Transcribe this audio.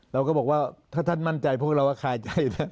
เราก็บอกว่าถ้าท่านมั่นใจพวกเราก็คายใจแล้ว